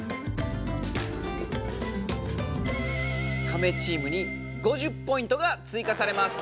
カメチームに５０ポイントがついかされます。